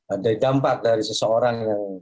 ada dampak dari seseorang yang